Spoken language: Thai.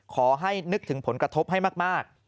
ขอให้นึกถึงผลกระทบให้มาก